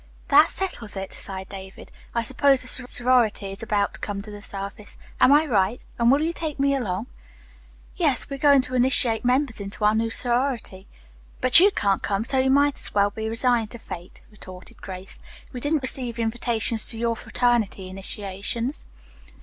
"That settles it," sighed David. "I suppose a sorority is about to come to the surface. Am I right, and will you take me along?" "Yes, we are going to initiate members into our new sorority, but you can't come, so you might as well be resigned to fate," retorted Grace. "We didn't receive invitations to your fraternity initiations."